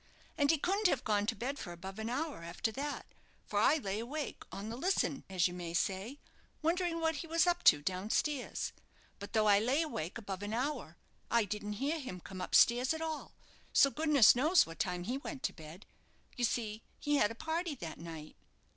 And he couldn't have gone to bed for above an hour after that, for I lay awake, on the listen, as you may say, wondering what he was up to downstairs. But though I lay awake above an hour, I didn't hear him come up stairs at all; so goodness knows what time he went to bed. You see he had a party that night."